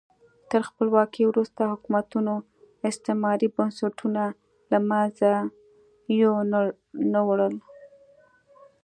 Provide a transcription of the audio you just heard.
تر خپلواکۍ وروسته حکومتونو استعماري بنسټونه له منځه یو نه وړل.